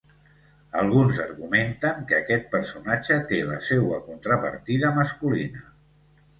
Alguns argumenten que aquest personatge té la seua contrapartida masculina.